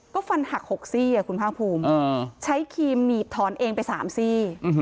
ก็ฟันหัก๖ซี่คุณภาคภูมิใช้ครีมหนีบถอนเองไป๓ซี่